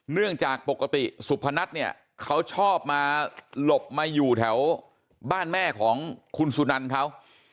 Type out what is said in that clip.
เนื่องจากปกติสุพนัทเนี่ยเขาชอบมาหลบมาอยู่แถวบ้านแม่ของคุณสุนันเขา